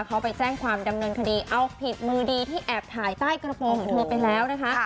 เขาไปแจ้งความดำเนินคดีเอาผิดมือดีที่แอบถ่ายใต้กระโปรงของเธอไปแล้วนะคะ